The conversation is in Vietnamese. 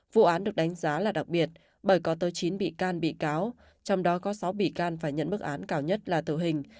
vụ án được đánh giá là đặc biệt bởi có tới chín bị can bị cáo trong đó có sáu bị can và nhận bức án cao nhất là tử hình